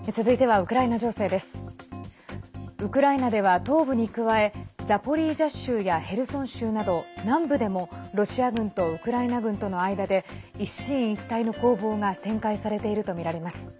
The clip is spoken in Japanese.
ウクライナでは東部に加えザポリージャ州やヘルソン州など南部でもロシア軍とウクライナ軍との間で一進一退の攻防が展開されているとみられます。